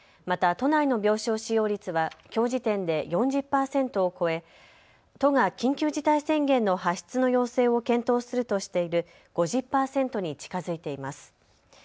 また都内の病床使用率はきょう時点で４０％を超え都が緊急事態宣言の発出の要請を検討するとしている５０％に近づいています。